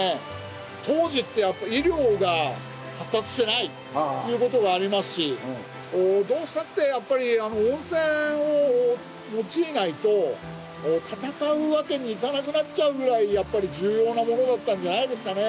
当時ってやっぱり医療が発達してないということがありますしどうしたってやっぱり温泉を用いないと戦うわけにいかなくなっちゃうぐらいやっぱり重要なものだったんじゃないですかね。